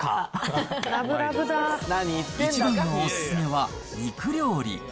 一番のお勧めは肉料理。